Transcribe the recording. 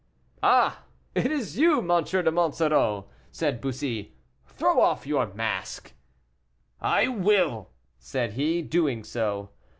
"Ah! it is you, M. de Monsoreau!" said Bussy; "throw off your mask." "I will," said he, doing so.